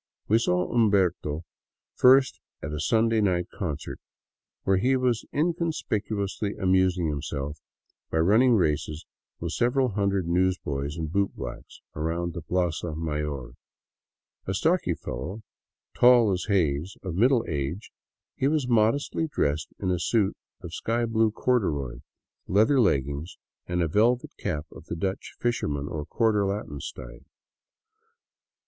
We saw Umberto first at a Sunday night concert, where he was in conspicuously amusing himself by running races with several hundred newsboys and bootblacks around the plaza mayor. A stocky fellow, tall as Hays, of middle age, he was modestly dressed in a suit of sky blue corduroy, leather leggings, and a velvet cap of the Dutch fisher man or Quartier Latin style.